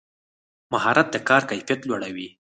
مهارت د کار کیفیت لوړوي